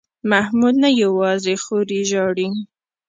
محمود نه یوازې خور یې ژاړي.